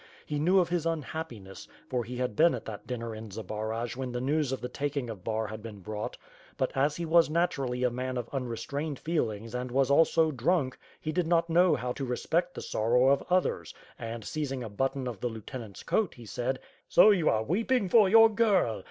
He knew of his unhappiness, for he had been at that dinner in Zbaraj when the news of the taking of Bar had been brought; but, as he was naturally a man of unrestrained feelings and was also dnmk, he did not know how to respect the sorrow of others and, seizing a button of the lieutenant's coat, he said: "So you are weeping for your girl.